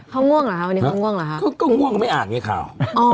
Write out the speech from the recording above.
เขาง่วงเหรอคะวันนี้เขาง่วงเหรอฮะก็ง่วงเขาไม่อ่านไงข่าว